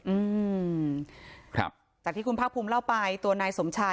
อืมครับจากที่คุณภาคภูมิเล่าไปตัวนายสมชาย